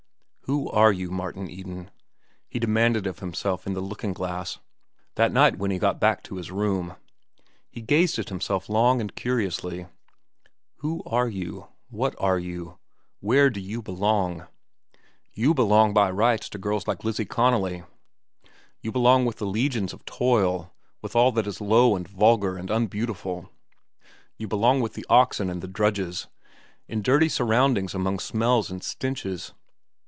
Who are you, Martin Eden? he demanded of himself in the looking glass, that night when he got back to his room. He gazed at himself long and curiously. Who are you? What are you? Where do you belong? You belong by rights to girls like Lizzie Connolly. You belong with the legions of toil, with all that is low, and vulgar, and unbeautiful. You belong with the oxen and the drudges, in dirty surroundings among smells and stenches.